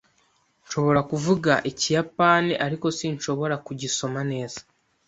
Nshobora kuvuga Ikiyapani, ariko sinshobora kugisoma neza.